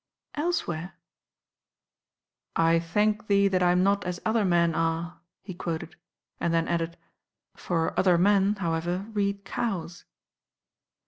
"Elsewhere?" " 'I thank Thee that I am not as other men are,* he quoted, and then added, "for 'other men,' how ever, read 'cows.'